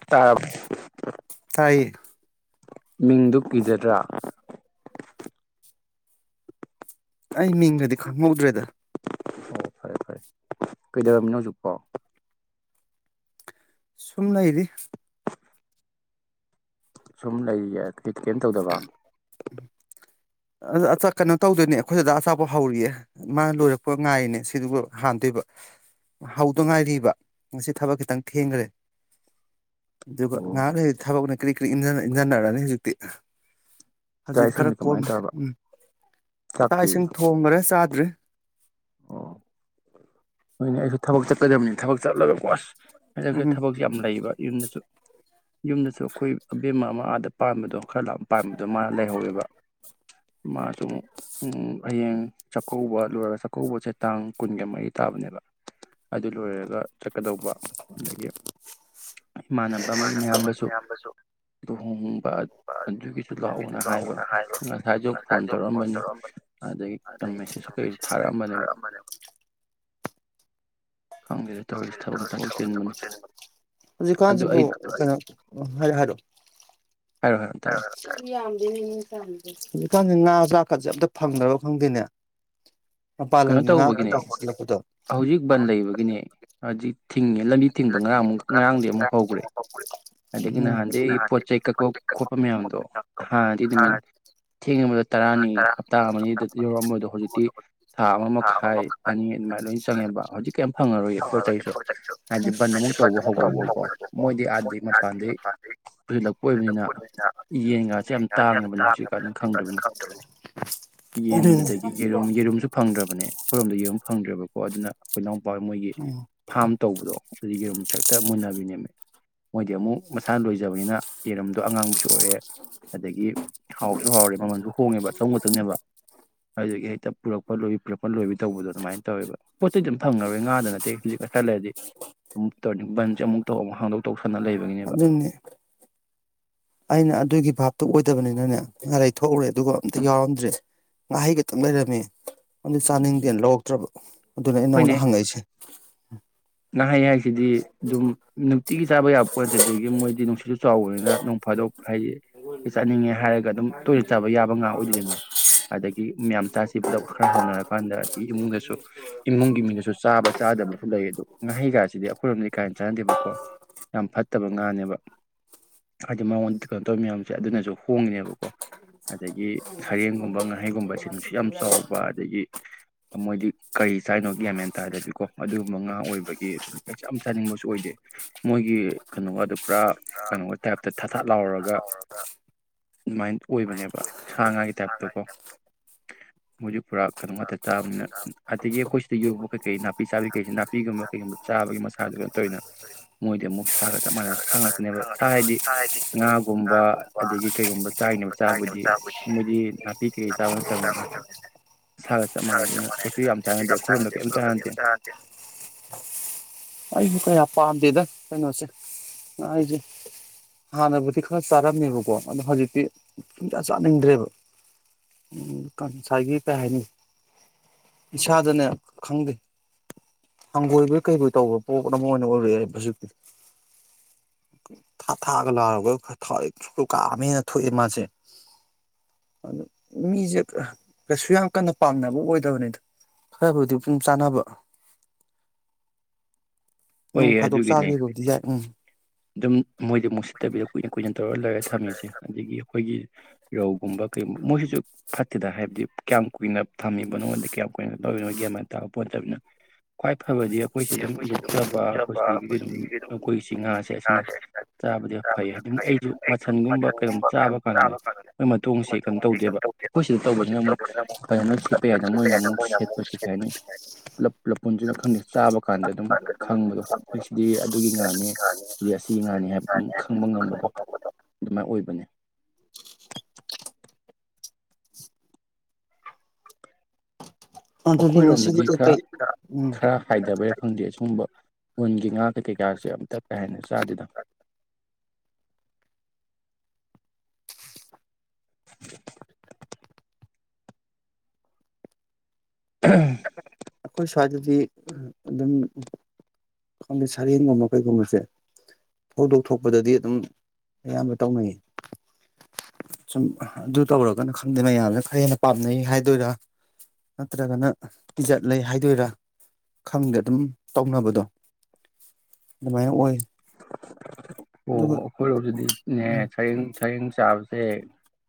ꯞꯇꯥꯕ [inaudible] ꯇꯥꯏꯌꯦ ꯃꯤꯡꯗꯨ ꯀꯤꯖꯗ꯭ꯔꯥ ꯑꯩ ꯃꯤꯡꯗ ꯒꯥꯗꯤ ꯈꯪꯍꯧꯗ꯭ꯔꯦꯗ ꯐꯔꯦ ꯐꯔꯦ ꯀꯩꯗꯧꯔꯝꯃꯤꯅꯣ ꯍꯧꯖꯤꯛꯄꯣ ꯁꯨꯝ ꯂꯩꯔꯤ ꯁꯨꯝ ꯂꯩꯔꯤꯌꯦ ꯀꯩꯝ ꯂꯇꯧꯗꯕ ꯆꯥ ꯀꯩꯅꯣ ꯇꯧꯗꯣꯏꯅꯦ ꯑꯩꯈꯣꯏ ꯗꯥꯗꯥ ꯑꯆꯥꯄꯣ ꯍꯧꯔꯤꯌꯦ ꯃꯥ ꯂꯣꯏꯔꯛꯄ ꯉꯥꯏꯔꯤꯅꯦ ꯁꯤꯗꯨꯕꯨ ꯍꯥꯟꯗꯣꯏꯕ ꯍꯧꯗꯣ ꯉꯥꯏꯔꯤꯕ ꯉꯁꯤ ꯊꯕꯛ ꯈꯤꯇꯪ ꯊꯦꯡꯈ꯭ꯔꯦ ꯗꯨꯒꯥ ꯑꯣ ꯉꯥꯛ ꯂꯩꯔꯗꯤ ꯊꯕꯛꯅꯦ ꯀꯔꯤ ꯀꯔꯤ ꯏꯟꯖ ꯏꯟꯖꯟꯅꯥꯔꯥꯅꯤ ꯍꯨꯖꯤꯛꯇꯤ ꯆꯥꯛ ꯍꯧꯖꯤꯗꯤ ꯈꯔ ꯏꯁꯤꯡꯗꯤ ꯀꯃꯥꯏꯅ ꯀꯣꯝꯃꯦ ꯇꯧꯔꯕ ꯎꯝ ꯆꯥꯛ ꯆꯥꯛꯇꯤ ꯏꯁꯤꯡ ꯊꯣꯡꯒꯔꯦ ꯆꯥꯗ꯭ꯔꯤ ꯑꯣ ꯍꯣꯏꯅꯦ ꯑꯩꯁꯨ ꯊꯕꯛ ꯆꯠꯀꯗꯕꯅꯤ ꯊꯕꯛ ꯆꯠꯂꯒ ꯋꯥꯁ ꯍꯥꯏꯗꯁ ꯎꯝ ꯊꯕꯛꯁꯨ ꯌꯥꯝ ꯂꯩꯕ ꯌꯨꯝꯗꯁꯨ ꯌꯨꯝꯗꯁꯨ ꯑꯩꯈꯣꯏ ꯑꯕꯦꯝꯃ ꯑꯃ ꯑꯥꯗ ꯄꯥꯟꯕꯗꯣ ꯈꯔ ꯂꯥꯛ ꯄꯥꯝꯕꯗꯨꯣ ꯃꯥ ꯂꯩꯍꯧꯋꯦꯕ ꯃꯥꯁꯨ ꯎ ꯍꯌꯦꯡ ꯆꯥꯛꯀꯧꯕ ꯂꯣꯏ ꯆꯠ ꯆꯥꯛ ꯀꯧꯕꯁꯦ ꯇꯥꯡ ꯀꯨꯟꯒ ꯃꯔꯤ ꯇꯥꯕꯅꯦꯕ ꯑꯗꯨ ꯂꯣꯏꯔꯒ ꯆꯠꯀꯗꯧꯕ ꯑꯗꯒꯤ ꯏꯃꯥꯟꯅꯕ ꯑꯃꯒꯤ ꯃꯌꯥꯝꯕꯁꯨ ꯂꯨꯍꯣꯡ ꯑꯗꯨꯒꯤꯁꯨ ꯂꯥꯛꯑꯣꯅ ꯍꯥꯏꯕ ꯉꯁꯥꯏꯁꯨ ꯐꯣꯟ ꯇꯧꯔꯛꯝꯕꯅꯤ ꯑꯗꯒꯤ ꯈꯤꯇꯪ ꯃꯦꯁꯦꯖꯁꯨ ꯀꯩ [inaudible] ꯈꯪꯗꯦꯗ ꯇꯧꯔꯤꯁꯤ ꯊꯕꯛꯅ ꯊꯕꯛ ꯆꯤꯟꯕꯅꯤ ꯑꯗꯨ ꯍꯧꯖꯤꯛꯀꯥꯟꯁꯤꯕꯨ ꯑꯩ ꯀꯩꯅꯣ ꯍꯥꯏꯔꯣ ꯍꯥꯏꯛꯑꯣ [unintelligible] ꯍꯥꯏꯔꯣ ꯍꯥꯏꯔꯣ ꯍꯥꯢꯔꯣ ꯇꯥꯔꯦ ꯍꯥꯢꯔꯣ ꯇꯥꯌꯦ ꯌꯥꯝꯗꯅꯦ ꯃꯤ ꯆꯥꯝ ꯃꯨꯛ ꯈꯪꯗꯦ ꯉꯥ ꯆꯥꯛ ꯀꯥꯁꯦ ꯑꯝꯇ ꯐꯪꯗ꯭ꯔꯕ ꯐꯪꯗꯦꯅꯦ ꯀꯩꯅꯣ ꯇꯧꯕꯒꯤꯅꯦ ꯍꯧꯖꯤꯛ ꯕꯟ ꯂꯩꯕꯒꯤꯅꯦ ꯍꯧꯖꯤꯛ ꯊꯤꯡꯉꯦ ꯂꯝꯕꯤ ꯊꯤꯡꯕ ꯉꯔꯥꯡ ꯑꯃꯨꯛ ꯉꯔꯥꯡꯗꯤ ꯑꯃꯨꯛ ꯍꯧꯈ꯭ꯔꯦ ꯑꯗꯒꯤ ꯎꯝ ꯅꯍꯥꯟꯗꯩ ꯄꯣꯠ ꯆꯩ ꯀꯛꯄ ꯈꯣꯠꯄ ꯑꯗꯣ ꯍꯥꯟꯅꯗꯤ ꯅꯨꯃꯤꯠ ꯊꯦꯡꯕꯗ ꯇꯔꯥꯅꯤ ꯍꯞꯇꯥ ꯑꯃꯅꯤꯗ ꯌꯧꯔꯛꯑꯝꯕꯗꯣ ꯍꯧꯖꯤꯛꯇꯤ ꯊꯥ ꯑꯃ ꯃꯈꯥꯏ ꯑꯅꯤ ꯑꯗꯨꯃꯥꯏꯅ ꯂꯣꯏ ꯆꯪꯉꯦꯕ ꯍꯧꯖꯤꯛ ꯀ ꯐꯪꯉꯔꯣꯏꯏ ꯄꯣꯠ ꯆꯩꯁꯨ ꯍꯥꯏꯗꯤ ꯕꯟ ꯑꯃꯨꯛ ꯇꯧꯕ ꯍꯧꯈ꯭ꯔꯦꯕꯀꯣ ꯃꯣꯏꯗꯤ ꯑꯥꯩ ꯃ ꯄꯥꯟꯗꯩ ꯄꯨꯁꯤꯜꯂꯛꯄ ꯑꯣꯏꯕꯅꯤꯅ ꯌꯦꯟꯒꯥꯁꯦ ꯌꯥꯝ ꯇꯥꯡꯉꯦꯕꯅꯦ ꯍꯧꯖꯤꯛꯀꯥꯟ ꯑꯗꯨ ꯈꯪꯗ꯭ꯔꯕꯅꯦ ꯌꯦꯟ ꯑꯗꯨꯅꯤ ꯑꯗꯒꯤ ꯌꯦꯔꯨꯝ ꯌꯦꯔꯨꯝꯁꯨ ꯐꯪꯗ꯭ꯔꯕꯅꯦ ꯑꯩꯣꯔꯣꯝꯗ ꯌꯦꯔꯨꯝ ꯐꯪꯗ꯭ꯔꯕꯣ ꯀꯣ ꯑꯗꯨꯅ ꯑꯩꯈꯣꯏꯎ ꯃꯣꯏꯒꯤ ꯎꯝ ꯐꯥꯝ ꯇꯧꯕꯗꯣ ꯀꯒꯤꯔꯣꯝ ꯁꯥꯏꯛꯇ ꯃꯨꯟꯅꯕꯤꯅꯦꯃꯤ ꯃꯣꯏꯗꯤ ꯑꯃꯨꯛ ꯃꯁꯥꯅ ꯂꯣꯏꯖꯕꯅꯤꯅ ꯌꯦꯔꯝꯗꯣ ꯑꯉꯥꯡꯕꯁꯨ ꯑꯣꯏꯔꯦ ꯑꯗꯒꯤ ꯍꯥꯎꯁꯨ ꯍꯥꯎꯔꯦ ꯃꯃꯜꯁꯨ ꯍꯣꯡꯉꯦꯕ ꯑꯆꯪꯧꯕꯛꯇꯅꯦꯕ ꯑꯗꯨꯒꯤ ꯍꯦꯛꯇ ꯄꯨꯔꯛꯄ ꯂꯣꯏꯕꯤ ꯄꯨꯔꯛꯄ ꯂꯣꯏꯕꯤ ꯇꯧꯕꯗꯣ ꯑꯗꯨꯃꯥꯏꯅ ꯇꯧꯋꯦꯕ ꯄꯣꯠ ꯆꯩꯩꯗꯤ ꯑꯗꯨꯝꯈꯔꯣꯏ ꯉꯥ ꯅꯠꯇꯦ ꯍꯧꯖꯤꯛ ꯈ ꯈꯜ ꯂꯩꯔꯗꯤꯨꯛ ꯇꯧꯔꯅꯤ ꯟꯁꯦꯨꯛ ꯇꯧꯧꯕ ꯑꯃꯛ ꯍꯥꯡꯗꯣꯛ ꯇꯧ ꯑꯗꯨ ꯑꯗꯨꯟꯅꯅꯦ ꯑꯩꯅ ꯑꯗꯨꯒꯤ ꯚꯥꯞꯇꯨ ꯑꯣꯏꯗꯕꯅꯤꯅꯅꯦ ꯉꯥꯔꯔꯤ ꯊꯣꯛꯎꯔꯦ ꯑꯗꯨꯒ ꯑꯝꯇ ꯌꯥꯎꯔꯝꯗ꯭ꯔꯦ ꯉꯥꯍꯩ ꯈꯛꯇꯪ ꯂꯩꯔꯝꯃꯤ ꯑꯗꯨ ꯆꯥꯅꯤꯡꯗꯦꯅ ꯂꯧꯔꯛꯇ꯭ꯔꯕ ꯑꯗꯨꯅ ꯑꯩ ꯅꯉꯣꯟꯗ ꯍꯪꯉꯛꯏꯁꯦ ꯎꯝ ꯅꯍꯩ ꯍꯥꯏꯁꯤꯗꯤ ꯑꯗꯨꯝ ꯅꯨꯡꯇꯤꯒꯤ ꯆꯥꯕ ꯌꯥꯕ ꯄꯁꯤꯦ ꯑꯗꯒꯤ ꯃꯣꯏꯗꯤ ꯅꯨꯡꯁꯤꯠꯁꯨ ꯆꯥꯎꯋꯦꯅ ꯅꯣꯡ ꯐꯥꯗꯣꯛ ꯍꯥꯏꯗꯤ ꯆꯠꯅꯤꯡꯉꯦ ꯍꯥꯏꯔꯒ ꯑꯗꯨꯝ ꯇꯣꯏꯂꯦꯠ ꯆꯥꯕ ꯌꯥꯕ ꯉꯥ ꯑꯣꯏꯗꯣꯏꯗꯅ ꯑꯗꯒꯤ ꯃꯌꯥꯝ ꯆꯥꯁꯤ ꯄꯨꯂꯞ ꯈꯔ ꯍꯧꯅꯔꯀꯥꯟꯗ ꯑꯗꯒꯤ ꯏꯃꯨꯡꯗꯁꯨ ꯏꯃꯨꯡꯒꯤ ꯃꯤꯗꯁꯨ ꯆꯥꯕ ꯆꯥꯗꯕꯁꯨ ꯂꯩ ꯑꯗꯨ ꯉꯥꯍꯩꯒꯥꯁꯤꯗꯤ ꯑꯩꯈꯣꯏꯔꯣꯝꯗꯗꯤ ꯀꯥꯏꯅ ꯆꯥꯟꯅꯗꯦꯕꯀꯣ ꯌꯥꯝ ꯐꯠꯇꯕ ꯉꯥꯅꯦꯕ ꯍꯥꯏꯗꯤ ꯃꯉꯣꯟꯗ ꯀꯩꯅꯣ ꯇꯧꯋꯤꯌꯥꯝ ꯁꯦ ꯑꯗꯨꯅꯁꯨ ꯍꯣꯡꯉꯤꯅꯦꯕꯀꯣ ꯑꯗꯒꯤ ꯁꯔꯦꯡꯒꯨꯝꯕ ꯉꯥꯍꯩꯒꯨꯝꯕꯁꯦ ꯅꯨꯡꯁꯨ ꯌꯥꯝ ꯆꯥꯎꯕ ꯑꯗꯒꯤ ꯃꯣꯏꯗꯤ ꯀꯔꯤ ꯆꯥꯏꯅꯣꯐ ꯒꯦꯝꯃꯦꯅ ꯇꯥꯗꯕꯤꯀꯣ ꯑꯗꯨꯒꯨꯝꯕ ꯉꯥ ꯑꯣꯏꯕ ꯑꯩꯁ ꯌꯥꯝ ꯆꯥꯅꯤꯡꯕꯁꯨ ꯑꯣꯏꯗꯦ ꯃꯣꯏꯒꯤ ꯀꯩꯅꯣꯒ ꯑꯗꯨ ꯄꯨꯔꯥ ꯀꯩꯅꯣ ꯇꯥꯏꯞꯇ ꯊꯥ ꯊꯥꯠ ꯂꯥꯎꯔꯒ ꯑꯗꯨꯃꯥꯏꯅ ꯑꯣꯏꯕꯅꯦꯕ ꯁꯥ ꯉꯥꯒꯤ ꯇꯥꯏꯞꯇꯀꯣ ꯃꯣꯏꯁꯨ ꯄꯨꯔꯥ ꯀꯩꯅꯣ ꯉꯥꯛꯇ ꯆꯥꯕꯅꯤꯅ ꯑꯗꯒꯤ ꯑꯩꯈꯣꯏ ꯁꯤꯗ ꯌꯣꯕ ꯀꯩꯀꯩ ꯅꯥꯄꯤ ꯆꯥꯕꯤꯈꯩꯁꯤ ꯅꯥꯄꯤꯒꯨꯝꯕ ꯀꯩꯒꯨꯝꯕ ꯆꯥꯕꯒꯤ ꯃꯁꯥꯗꯨ ꯇꯧꯅ ꯃꯣꯏꯗꯤ ꯑꯃꯨꯛ ꯁꯥꯒ ꯆꯞ ꯃꯥꯟꯅꯅ ꯁꯥ ꯉꯥꯛꯇꯅꯦꯕ ꯁꯥ ꯍꯥꯏꯗꯤ ꯉꯥꯒꯨꯝꯕ ꯑꯗꯒꯤ ꯀꯩꯒꯨꯝꯕ ꯆꯥꯔꯤꯅꯦꯕ ꯆꯥꯕꯨꯗꯤ ꯃꯣꯏꯗꯤ ꯅꯥꯄꯤ ꯀꯩꯀꯩ ꯆꯥꯕ ꯅꯠꯇꯕꯅꯤꯅ ꯏꯁꯒ ꯆꯞ ꯃꯥꯟꯅꯩ ꯑꯗꯨꯅ ꯀꯩꯁꯨ ꯌꯥꯝ ꯆꯥꯟꯅꯗꯦ ꯑꯩꯈꯣꯏꯔꯣꯝꯗ ꯀꯩꯝ ꯆꯥꯟꯅꯟꯗꯦ ꯑꯩꯁꯨ ꯀꯌꯥ ꯄꯥꯝꯗꯦꯗ ꯀꯩꯅꯣꯁꯦ ꯑꯩꯁꯦ ꯍꯥꯟꯅꯕꯨꯗꯤ ꯈꯔ ꯆꯥꯔꯝꯃꯦꯕꯀꯣ ꯑꯗꯣ ꯍꯧꯖꯤꯛꯇꯤ ꯁꯨꯡꯖꯥ ꯆꯥꯅꯤꯡꯗ꯭ꯔꯦꯕ ꯉꯁꯥꯏꯒꯤ ꯀꯩ ꯍꯥꯏꯅꯤ ꯏꯁꯥꯗꯅꯦ ꯈꯪꯗꯦ ꯍꯪꯒꯣꯏꯕꯩ ꯀꯩꯕꯩ ꯇꯧꯕ ꯄꯣꯠ ꯑꯃ ꯑꯣꯏꯅ ꯑꯣꯏꯔꯛꯑꯦꯕ ꯍꯧꯖꯤꯛꯇꯤ ꯊꯥ ꯊꯥꯒ ꯂꯥꯔꯒ ꯈꯔ ꯊꯋꯥꯏ ꯀꯥꯅ ꯊꯣꯛꯑꯦ ꯃꯥꯁꯦ ꯑꯗꯨ ꯃꯤꯁꯦ ꯀꯩꯁꯨ ꯌꯥꯝ ꯀꯟꯅ ꯄꯥꯝꯅꯕ ꯑꯣꯏꯗꯕꯅꯤꯗ ꯐꯔꯕꯨꯗꯤ ꯑꯗꯨꯝ ꯆꯥꯅꯕ ꯍꯣꯏ ꯅꯣꯡ ꯐꯥꯗꯣꯛ ꯑꯗꯨꯒꯤꯅꯦ ꯆꯥꯈꯤꯕꯕꯨꯗꯤ ꯌꯥꯏ ꯎꯝ ꯑꯗꯨꯝ ꯃꯣꯏꯗꯤ ꯑꯃꯨꯛ ꯁꯤꯠꯇꯕꯤꯗ ꯀꯨꯏꯅ ꯀꯨꯏꯅ ꯇꯧꯔ ꯂꯩꯔꯒ ꯊꯝꯃꯤꯁꯦ ꯑꯗꯒꯤ ꯑꯩꯈꯣꯏꯒꯤ ꯔꯧꯒꯨꯝꯕ ꯀꯩꯒꯨꯝꯕ ꯃꯣꯏꯁꯤꯁꯨ ꯐꯠꯇꯦꯗ ꯍꯥꯏꯕꯗꯤ ꯀꯌꯥꯝ ꯀꯨꯏꯅ ꯊꯝꯃꯤꯕ ꯅꯉꯣꯟꯗ ꯀꯌꯥꯝ ꯀꯨꯏꯅ ꯇꯧꯋꯤꯅꯣꯏ ꯒꯦꯝꯃꯥꯏꯅ ꯇꯧꯄꯣꯠꯇꯕꯅꯤꯅ ꯈ꯭ꯋꯥꯏ ꯐꯕꯗꯤ ꯑꯩꯈꯣꯏꯁꯦ ꯑꯗꯨꯝ ꯌꯣꯛ ꯆꯕ ꯑꯩꯈꯣꯏ ꯁꯤꯗꯒꯤ ꯀꯝ ꯑꯩꯈꯣꯏꯁꯤ ꯉꯥꯁꯦ ꯑꯁꯤꯅ ꯆꯥꯕꯗꯤ ꯐꯩ ꯍꯥꯏꯗꯤ ꯑꯃꯨꯛ ꯑꯩꯁꯨ ꯃꯟꯒꯨꯝꯕ ꯀꯩꯒꯨꯝꯝ ꯆꯥꯕ ꯀꯥꯟꯗꯅꯦ ꯃꯣꯏ ꯃꯇꯣꯡꯁꯤꯦ ꯀꯩꯅꯣ ꯇꯧꯗꯦꯕ ꯑꯩꯈꯣꯏ ꯁꯤꯗ ꯇꯧꯕꯁꯤꯅ ꯑꯃꯨꯛ ꯐꯖꯅ ꯁꯦꯠꯄ ꯌꯥꯏꯗꯅ ꯃꯣꯏꯅ ꯑꯃꯨꯛ ꯁꯦꯠꯄꯁꯦ ꯀꯩ ꯍꯥꯏꯅꯤ ꯄꯨꯂꯞꯂꯞ ꯄꯨꯟꯁꯤꯅ ꯈꯪꯗꯦ ꯆꯥꯕ ꯀꯥꯟꯗ ꯑꯗꯨꯝ ꯈꯪꯕꯗꯣ ꯑꯩꯁꯤꯗꯤ ꯑꯗꯨꯒꯤ ꯉꯥꯅꯤ ꯑꯗꯨ ꯑꯁꯤꯒꯤ ꯉꯥꯅꯤ ꯍꯥꯏꯕ ꯑꯗꯨꯝ ꯈꯪꯕ ꯉꯝꯕꯗꯣ ꯑꯗꯨꯃꯥꯏꯅ ꯑꯣꯏꯕꯅꯦ [unintelligible] ꯑꯗꯨꯗꯤ ꯉꯁꯤꯗꯤ ꯑꯩꯈꯣꯏꯔꯣꯝꯗꯗꯤ ꯈꯔ ꯀꯩꯀꯩ ꯎꯝ ꯈꯔ ꯍꯥꯏꯗꯕꯔ ꯈꯪꯗꯦ ꯑꯁꯤꯒꯨꯝꯕ ꯄꯨꯖꯉ ꯀꯩꯀꯥꯁꯦ ꯑꯇ ꯀꯥ ꯍꯥꯏꯅ ꯆꯥꯗꯨꯗ [unintelligible] ꯎꯝ ꯑꯩꯈꯣꯏ ꯁ꯭ꯋꯥꯏꯗꯗꯤ ꯑꯗꯨꯝ ꯈꯪꯗꯦ ꯁꯔꯦꯡꯒꯨꯝꯕ ꯀꯩꯒꯨꯝꯕꯁꯦ ꯐꯧꯗꯣꯛ ꯊꯣꯛꯄꯗꯗꯤ ꯑꯗꯨꯝ ꯑꯌꯥꯝꯕ ꯇꯧꯅꯩ ꯁꯨꯝ ꯑꯗꯨ ꯇꯧꯔꯒꯅ ꯈꯪꯗꯦ ꯃꯌꯥꯝꯅ ꯈꯔ ꯍꯦꯟꯅ ꯄꯥꯝꯅꯩ ꯍꯥꯏꯗꯣꯏꯔꯥ ꯅꯠꯇ꯭ꯔꯒꯅ ꯏꯖꯠ ꯂꯩ ꯍꯥꯏꯗꯣꯏꯔꯥ ꯈꯪꯗꯦ ꯑꯗꯨꯝ ꯇꯧꯅꯕꯗꯣ ꯑꯗꯨꯃꯥꯏꯅ ꯑꯣꯏ ꯑꯣ ꯑꯗꯨꯒ ꯑꯩꯈꯣꯏꯔꯣꯖꯤꯗꯤꯅꯦ ꯎꯝ ꯁꯌꯦꯦꯡ ꯁꯌꯦꯦꯡ ꯆꯥꯕꯁꯤ ꯁꯦ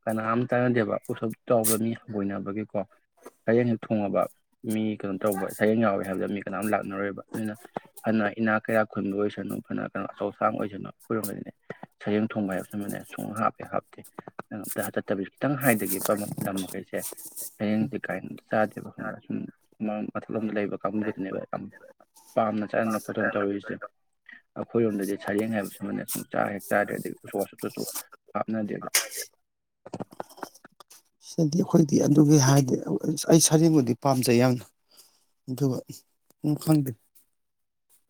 ꯀꯅꯥꯝ ꯇꯥꯟꯅꯗꯦꯕ ꯎꯊꯞ ꯆꯥꯎꯕ ꯃꯤ ꯍꯪꯒꯣꯏꯅꯕꯒꯤꯀꯣ ꯍꯌꯦꯡꯁꯦꯛ ꯊꯣꯡꯉꯕ ꯃꯤ ꯀꯩꯅꯣ ꯇꯧꯕ ꯁꯔꯦꯡ ꯌꯥꯎꯋꯦ ꯍꯥꯏꯕꯗ ꯃꯤ ꯀꯅꯥꯣꯝ ꯂꯥꯛꯅꯔꯣꯏꯕ ꯅꯅ ꯐꯅ ꯏꯅꯥ ꯀꯌꯥ ꯈꯨꯟꯕ ꯑꯣꯏꯁꯅꯨ ꯐꯅ ꯀꯩꯅꯣ ꯑꯆꯧꯁꯥꯡ ꯑꯣꯏꯁꯅꯨ ꯈꯔꯒꯗꯅꯦ ꯁꯔꯦꯡ ꯊꯣꯡꯕ ꯍꯥꯏꯕꯕꯁꯤꯃꯅꯦ ꯁꯨꯡ ꯍꯥꯞꯄꯦ ꯍꯥꯞꯇꯦ ꯑꯝꯇ ꯆꯠꯇꯕꯤꯁ ꯈꯤꯇꯪ ꯍꯥꯏꯊꯈꯤꯕ ꯂꯝ ꯃꯈꯩꯁꯦ ꯁꯔꯦꯡꯁ ꯀꯥꯏꯅ ꯆꯥꯗꯦꯕ ꯈꯟꯕ ꯁꯨꯝ ꯃꯊꯜ ꯑꯃꯣꯝꯗ ꯂꯩꯕ ꯀꯥꯡꯕꯨ ꯈꯛꯇꯅꯦꯕ ꯌꯥꯝ ꯄꯥꯝꯅ ꯆꯥꯅꯅ ꯈꯣꯠꯇꯅ ꯇꯧꯔꯤꯁꯦ ꯑꯩꯈꯣꯏꯔꯣꯝꯗꯗꯤ ꯁꯔꯦꯡ ꯍꯥꯏꯕꯁꯨ ꯑꯃꯅ ꯁꯨꯝ ꯆꯥꯛ ꯍꯦꯛ ꯆꯥꯗ꯭ꯔꯦ ꯑꯗꯒꯤ ꯎꯁꯨꯥ ꯋꯥꯁꯨꯇꯁꯨ ꯍꯥꯞꯅꯗꯦꯕ ꯁꯤꯗꯤ ꯑꯩꯈꯣꯏꯗꯤ ꯑꯗꯨꯒꯤ ꯍꯥꯏꯗꯤ ꯑꯩ ꯁꯔꯦꯡꯕꯨꯗꯤ ꯄꯥꯝꯖꯩ ꯌꯥꯝꯅ ꯑꯗꯨꯒ ꯈꯪꯗꯦ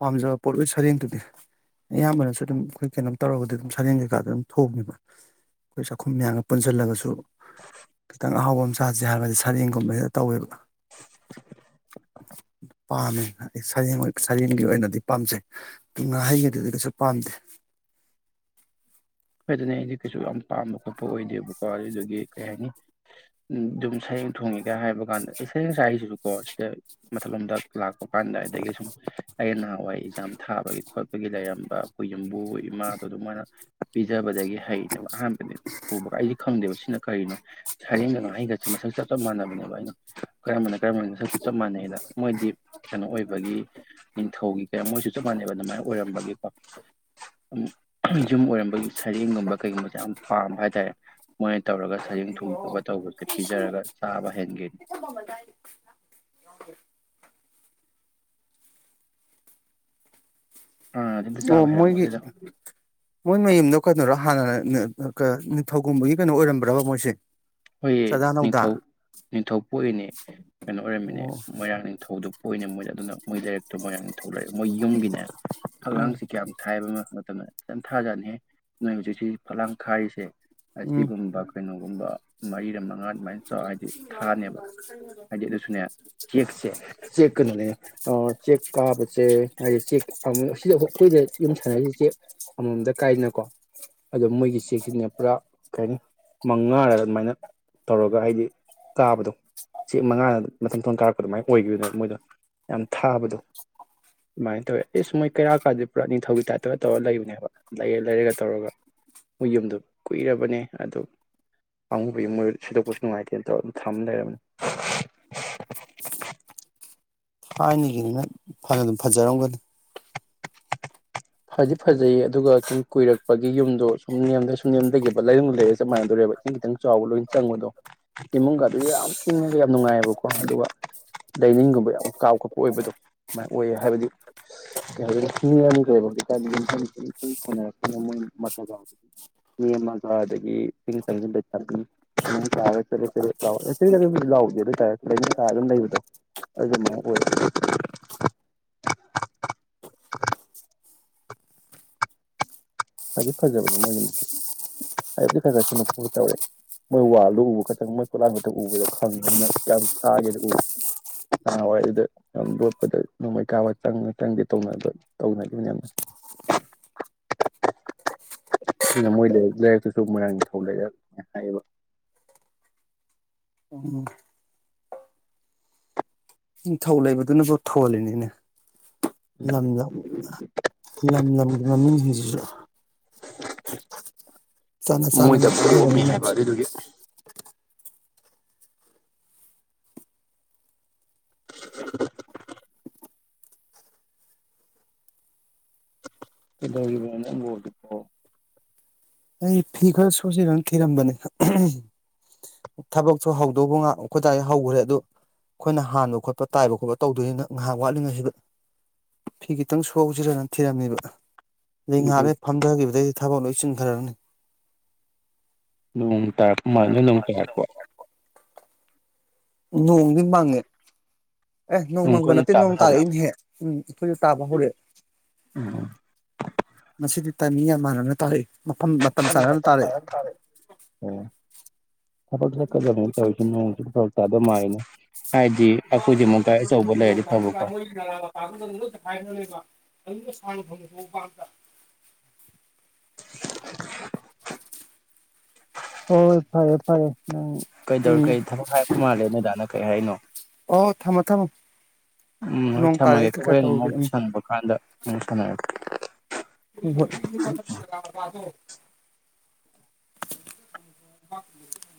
ꯄꯥꯝꯖꯕ ꯄꯣꯠꯂ ꯁꯔꯦꯡꯗꯨꯗꯤ ꯑꯌꯥꯝꯕꯅꯁꯨ ꯑꯗꯨꯝ ꯑꯩꯈꯣꯏ ꯀꯩꯅꯣꯝ ꯇꯧꯔꯒꯗꯤ ꯑꯗꯨꯝ ꯁꯔꯦꯡ ꯀꯩꯀꯥꯗ ꯑꯗꯨꯝ ꯊꯣꯡꯉꯕ ꯑꯩꯈꯣꯏ ꯆꯥꯛꯈꯨꯝ ꯃꯌꯥꯝꯒ ꯄꯨꯟꯁꯤꯜꯂꯒꯁꯨ ꯈꯤꯇꯪ ꯑꯍꯥꯎꯕ ꯑꯃ ꯁꯥꯁꯦ ꯍꯥꯏꯕꯗꯤ ꯁꯔꯦꯡꯒꯨꯝꯕꯕꯁꯤꯗ ꯇꯧꯋꯦꯕ ꯄꯥꯝꯃꯦ ꯑꯩ ꯁꯔꯦꯡ ꯁꯔꯦꯡꯒꯤ ꯑꯣꯏꯅꯗꯤ ꯄꯥꯝꯖꯩꯨꯡ ꯍꯩꯒꯤꯗꯤꯗꯤ ꯀꯩꯁꯨ ꯄꯥꯝꯗꯦ ꯑꯗꯨꯣꯏꯗꯅꯦ ꯑꯩꯗꯤ ꯀꯩꯁꯨ ꯌꯥꯝ ꯄꯥꯝꯕ ꯈꯣꯠꯄ ꯑꯣꯏꯗꯦꯕ ꯀꯔꯦꯒꯤ ꯀꯩ ꯍꯥꯏꯅꯤ ꯎ ꯑꯗꯨꯝ ꯁꯔꯦꯡ ꯊꯣꯡꯉꯦꯒ ꯍꯥꯏꯕ ꯀꯥꯟꯗ ꯑꯩ ꯁꯌꯦꯦꯡ ꯆꯁꯤꯁꯨ ꯀꯣ ꯁꯤꯗ ꯃꯊꯜꯂꯣꯝꯗ ꯂꯥꯛꯄ ꯀꯥꯟꯗ ꯑꯗꯒꯤ ꯁꯨꯝ ꯑꯩ ꯅꯍꯥꯟꯋꯥꯏ ꯑꯦꯛꯖꯥꯝ ꯊꯥꯕꯒꯤ ꯈꯣꯠꯄꯒꯤ ꯂꯩꯔꯝꯕ ꯑꯩꯈꯣꯏ ꯌꯨꯝꯕꯨ ꯏꯃꯥꯗꯣ ꯑꯗꯨꯃꯥꯏꯅ ꯄꯤꯖꯥꯕꯖꯒ ꯐꯩꯅꯦꯕ ꯑꯍꯥꯟꯕꯅꯦ ꯎꯕ ꯈꯪꯗꯦꯕ ꯁꯤꯅ ꯀꯔꯤꯅꯣ ꯁꯩꯔꯦꯡꯒ ꯉꯥꯍꯩꯒꯁꯦ ꯃꯁꯛ ꯆꯞ ꯆꯞ ꯃꯥꯟꯅꯕꯅꯦꯕ ꯑꯩꯅꯣ ꯀꯔꯝꯕꯅ ꯀꯔꯝꯕꯅ ꯃꯁꯛ ꯆꯞ ꯆꯞ ꯃꯥꯟꯅꯩꯗ ꯃꯣꯏꯗꯤ ꯀꯩꯅꯣ ꯑꯣꯏꯕꯒꯤ ꯅꯤꯡꯊꯧꯒꯤ ꯀ ꯃꯣꯏꯁꯨ ꯆꯞ ꯃꯥꯟꯅꯩꯕ ꯑꯗꯨꯃꯥꯏꯅ ꯑꯣꯏꯔꯝꯕꯒꯤꯀꯣ ꯌꯨꯝ ꯑꯣꯏꯔ ꯑꯩꯈꯣꯏꯒꯤ ꯁꯩꯔꯦꯡꯒꯨꯝꯕ ꯀꯩꯒꯨꯝꯕꯁꯦ ꯌꯥꯝ ꯄꯥꯝꯕ ꯍꯥꯏꯇꯥꯔꯦ ꯃꯣꯏꯅ ꯇꯧꯔꯒ ꯁꯌꯦꯦꯡ ꯊꯨꯝꯃꯛꯑꯒ ꯇꯧꯕꯁꯦ ꯄꯤꯖꯔꯒ ꯆꯥꯕ ꯍꯦꯟꯒꯅꯤ ꯍꯥꯟꯅꯗꯤ ꯑꯝꯇ ꯑꯣ ꯆꯥꯕ ꯃꯣꯏꯒꯤ ꯍꯩꯔꯝꯃꯣꯏꯗꯨꯗ ꯃꯣꯏ ꯃꯌꯨꯝꯗ ꯀꯩꯅꯔꯣ ꯍꯥꯟꯅ ꯅꯤꯡꯊꯧꯒꯨꯝꯕꯒꯤ ꯀꯩꯅꯣ ꯑꯣꯏꯔꯝꯕ꯭ꯔꯕ ꯃꯣꯏꯁꯦ ꯍꯣꯏ ꯆꯥꯗꯥ ꯅꯧꯗꯥ ꯅꯤꯡꯊꯧ ꯅꯤꯡꯊꯧ ꯄꯣꯛꯏꯅꯦ ꯀꯩꯅꯣ ꯑꯣꯏꯔꯝꯃꯤꯅꯦ ꯑꯣ ꯃꯣꯏꯔꯥꯡ ꯅꯤꯡꯊꯧꯗꯨꯣ ꯄꯣꯛꯏꯅꯦ ꯃꯣꯏ ꯑꯗꯨꯅ ꯃꯣꯏ ꯂꯩꯔꯛꯇꯣ ꯃꯣꯏꯔꯥꯡ ꯅꯤꯡꯊꯧ ꯂꯩꯔꯛ ꯃꯣꯏ ꯌꯨꯝꯒꯤꯅꯦ ꯎꯝ ꯑꯉꯥꯡꯁꯤ ꯀꯌꯥꯝ ꯊꯥꯏꯕ ꯑꯃ ꯃꯇꯝꯗ ꯆꯝꯊꯥꯖꯠꯅꯤ ꯅꯣꯏ ꯍꯧꯖꯤꯛꯁꯤ ꯐꯂꯥꯡ ꯈꯥꯏꯔꯤꯁꯦ ꯎꯝ ꯑꯁꯤꯁꯤꯒꯨꯝꯕꯈꯣꯏꯩꯅ ꯇꯗ ꯃꯩꯔ ꯃꯉꯥ ꯑꯗꯨꯃꯥꯏꯅ ꯆꯥꯎ ꯍꯥꯏꯗꯤ ꯊꯥꯅꯦꯕ ꯍꯥꯏꯗꯤ ꯑꯗꯨꯁꯨꯅꯦ ꯆꯦꯛꯁꯦ ꯆꯦꯛ ꯀꯩꯅꯣꯅꯦꯅꯦ ꯆꯦꯛ ꯀꯥꯕꯁꯦ ꯍꯥꯏꯗꯤ ꯆꯦꯛ ꯑꯁꯤꯗ ꯑꯩꯈꯣꯏꯗ ꯌꯨꯝ ꯁꯥꯟꯅꯔꯤꯁꯦ ꯆꯦꯛ ꯑꯃꯃꯝꯇ ꯀꯥꯏꯗꯅꯀꯣ ꯑꯗꯣ ꯃꯣꯏꯒꯤ ꯆꯦꯛꯁꯤꯅꯦ ꯄꯨꯔꯥ ꯀꯩꯅꯤ ꯃꯉꯥꯔ ꯑꯗꯨꯃꯥꯏꯅ ꯇꯧꯔꯒ ꯍꯥꯏꯗꯤ ꯀꯥꯕꯗꯣ ꯆꯦꯛ ꯃꯉꯥꯗ ꯃꯇꯝꯊꯊꯣꯡ ꯀꯥꯔꯛꯄ ꯑꯗꯨꯃꯥꯏꯅ ꯑꯣꯏꯈꯤꯕꯅꯦꯕ ꯃꯣꯏꯗꯣ ꯌꯥꯝ ꯊꯥꯕꯗꯣ ꯑꯗꯨꯃꯥꯏꯅ ꯇꯧꯋꯦ ꯑꯦꯁ ꯃꯣꯏ ꯀꯩꯔꯥꯛ ꯀꯥꯟꯗꯗꯤ ꯄꯨꯔꯥ ꯅꯤꯡꯊꯧꯒꯤ ꯇꯥꯏꯞꯇꯒ ꯇꯧꯔ ꯂꯩꯕꯅꯦꯕ ꯂꯩꯔ ꯂꯩꯔꯒ ꯇꯧꯔꯒ ꯃꯣꯏ ꯌꯨꯝꯗꯣ ꯀꯨꯏꯔꯕꯅꯦ ꯑꯗꯨ ꯃꯣꯏ ꯊꯣꯏꯗꯣꯛꯄꯁꯨ ꯅꯨꯡꯉꯥꯏꯇꯦ ꯇꯧ ꯑꯗꯨ ꯊꯃ ꯂꯩꯔꯝꯅꯤ ꯊꯥꯏꯅꯒꯤꯅꯤꯅ ꯐꯅ ꯑꯗꯨꯝ ꯐꯖꯔꯝꯒꯅꯤ ꯐꯗꯤ ꯐꯖꯩ ꯑꯗꯨꯒ ꯁꯨꯝ ꯀꯨꯏꯔꯛꯄꯒꯤ ꯌꯨꯝꯗꯣ ꯁꯨꯝ ꯅꯦꯝꯗ ꯁꯨꯝ ꯅꯦꯝꯕ ꯂꯩꯔꯨꯡ ꯂꯩꯔꯦ ꯁꯃꯥꯏꯅꯗꯧꯔꯦꯕ ꯏꯁꯤꯡ ꯈꯤꯇꯪ ꯆꯥꯎꯕ ꯂꯣꯏꯅ ꯆꯪꯕꯗꯣ ꯏꯃꯨꯡꯒ ꯑꯗꯨ ꯌꯥꯝ ꯏꯪꯉꯒ ꯌꯥꯝ ꯅꯨꯡꯉꯥꯏꯑꯕꯀꯣ ꯑꯗꯨꯒ ꯂꯥꯏꯅꯤꯡꯒꯨꯝꯕ ꯌꯥꯝ ꯀꯥꯎ ꯈꯠꯄ ꯑꯣꯏꯕꯗꯣꯃꯥꯏ ꯑꯣꯏꯌꯦ ꯍꯥꯏꯕꯗꯤ ꯀꯩ ꯍꯥꯏ ꯍꯤꯡꯉꯅꯤꯒ꯭ꯔꯦꯕ ꯃꯤ ꯑꯃꯒ ꯑꯗꯒꯤ ꯏꯤꯡ ꯆꯪꯟ ꯆꯦꯦ ꯂꯥꯎꯗꯦ ꯑꯗꯨꯇꯥꯔꯦ ꯑꯗꯨꯝ ꯂꯩꯕꯗꯣ ꯑꯗꯨꯃꯥꯏ ꯑꯣꯏ ꯈꯗꯤ ꯐꯖꯕꯅꯦ ꯃꯣꯏꯒꯤꯁ ꯍꯥꯏꯗꯤ ꯈꯔ ꯈꯔ ꯁ ꯇꯧꯔꯦ ꯃꯣꯏ ꯋꯥꯜꯗꯣ ꯎꯕ ꯈꯛꯇꯪ ꯃꯣꯏ ꯈꯨꯠꯂꯥꯄꯗ ꯎꯕꯗ ꯈꯪꯕꯅꯤꯅ ꯀ ꯊꯥꯒꯦꯅ ꯎ ꯍꯋꯥꯏ ꯑꯗꯨꯗ ꯌꯥꯝ ꯂꯣꯠꯄꯗ ꯅꯣꯡꯃꯩ ꯀꯥꯕ ꯆꯪꯉ ꯆꯪꯗꯦ ꯇꯧꯅꯕ ꯇꯧꯅꯈꯤꯕꯅꯤꯌꯥꯝꯅ ꯑꯗꯨꯅ ꯃꯣꯏ ꯂꯩꯥꯏꯔꯛꯇꯨꯁꯨ ꯃꯣꯏꯔꯥꯡ ꯅꯤꯡꯊꯧ ꯂꯩꯔ ꯍꯥꯏꯌꯦꯕ ꯎꯝ ꯅꯤꯡꯊꯧ ꯂꯩꯕꯗꯨꯅꯕꯨ ꯊꯧꯍꯜꯂꯤꯅꯤꯅꯦ ꯂꯝ ꯂꯝ ꯂꯝ ꯂꯝꯒꯤ ꯃꯃꯤꯡꯁꯤꯡꯁꯤꯁꯨ ꯆꯥꯟꯅ ꯃꯣꯏꯗ ꯆꯥꯟꯅꯅ ꯂꯣꯏ ꯄꯣꯛꯑꯝꯃꯤ ꯂꯩꯔꯝꯃꯤ ꯍꯥꯏꯕ ꯃꯌꯥꯝꯁꯦ ꯑꯗꯨꯗꯨꯒꯤ ꯏꯗꯅꯇꯣ ꯑꯩ ꯐꯤ ꯈꯔ ꯁꯣꯁꯤꯔꯅ ꯊꯤꯔꯝꯕꯅꯦ ꯊꯕꯛꯁꯨꯣ ꯍꯧꯗꯧꯕ ꯉꯥꯏꯍꯥꯛ ꯑꯩꯗꯥꯏ ꯍꯧꯈ꯭ꯔꯦ ꯑꯗꯨꯗꯣ ꯑꯩꯈꯣꯏꯅ ꯍꯥꯟꯕ ꯈꯣꯠꯄ ꯇꯥꯏꯕ ꯈꯣꯠꯄ ꯇꯧꯗꯣꯏꯅꯤꯅ ꯉꯥꯏꯍꯥꯛ ꯋꯥꯠꯂꯤꯉꯩꯁꯤꯗ ꯐꯤ ꯈꯤꯇꯪ ꯁꯣꯁꯤꯔꯅ ꯊꯤꯔꯝꯃꯤꯕ ꯑꯗꯨꯗꯣ ꯉꯍꯥꯟꯂ ꯐꯝꯊꯈꯤꯕꯗꯩꯗꯤ ꯊꯕꯛ ꯂꯣꯏꯁꯤꯟ ꯈꯔꯅꯤ ꯅꯣꯡ ꯇꯥꯔꯛꯄ ꯃꯥꯗ ꯅꯣꯡ ꯇꯥꯔꯛꯄ ꯅꯣꯡꯗ ꯄꯦ ꯑꯦ ꯅꯣꯡ ꯅꯣꯡꯃꯪꯕ ꯀꯟꯅ ꯅꯠꯇꯦ ꯇꯥꯕ ꯅꯣꯡ ꯍꯧꯔꯛꯑꯦ ꯇꯥꯜꯂꯛꯏꯅꯍꯦꯛ ꯎꯝ ꯑꯩꯈꯣꯏꯁꯨ ꯇꯥꯕ ꯍꯧꯔꯛꯑꯦ ꯎꯝ ꯉꯗꯤ ꯃꯤ ꯌꯥꯝꯃꯅꯅ ꯇꯥꯔꯦ ꯃꯐꯝ ꯃꯇꯝ ꯆꯥꯅꯅ ꯇꯥꯔꯛꯑꯦ ꯑꯣ ꯊꯕꯛ ꯆꯠꯀꯗꯕꯅꯤ ꯇꯧꯔꯤꯁꯤ ꯅꯣꯡ ꯊꯕꯛ ꯆꯥ ꯑꯗꯨ ꯃꯥꯏꯅꯤ ꯍꯥꯏꯗꯤ ꯑꯩꯈꯣꯏꯁꯤ ꯑꯃꯨꯛ ꯀꯥꯏ ꯑꯆꯧꯕ ꯂꯩꯔ ꯊꯃꯀꯣ ꯑꯪꯩꯅ ꯁꯥꯟ ꯊꯅ ꯍ ꯄꯥꯟꯗ [unintelligible] ꯍꯣꯏ ꯐꯔꯦ ꯐꯔꯦ ꯎꯝ ꯀꯩꯗꯧꯔ ꯎꯝ ꯀꯩ ꯊꯕꯛ ꯍꯥꯏꯔꯛꯄ ꯃꯥꯜꯂꯦ ꯅꯣꯏꯗꯥꯅ ꯀꯩꯔꯤ ꯍꯥꯏꯅꯣ ꯑꯣ ꯊꯝꯃꯣ ꯊꯝꯃꯣ ꯎꯝ ꯍꯣꯏ ꯅꯣꯡ ꯇꯥꯔꯛ ꯑꯩ ꯀꯩꯀꯥ ꯇꯧꯕꯕꯤꯔꯛꯅ ꯀꯦ ꯎ [unintelligible]